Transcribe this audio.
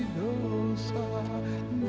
ya allah yang kuanggu